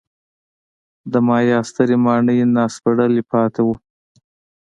د مایا سترې ماڼۍ ناسپړلي پاتې وو.